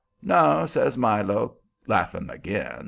"No," says Milo, laughing again.